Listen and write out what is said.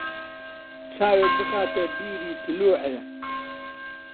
چاوێک بخاتە بیری تلووعێ